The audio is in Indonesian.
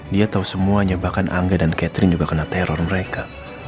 dia tahu semuanya bahkan angga dan catherine juga kena teror mereka